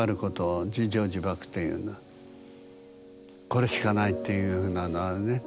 これしかないっていうふうなのはね